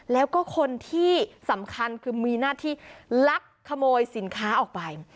แล้วก็คนที่สำคัญคือมีหน้าที่ลักขโมยสินค้าออกไป